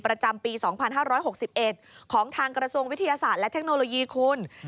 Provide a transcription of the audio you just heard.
ประจำปี๒๕๖๑ของทางกระทรวงวิทยาศาสตร์และเทคโนโลยีคุณ